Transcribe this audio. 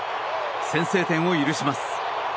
先制点を許します。